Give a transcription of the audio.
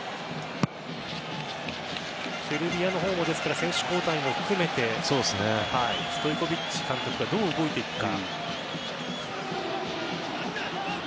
セルビアのほうも選手交代も含めてストイコヴィッチ監督がどう動いていくか。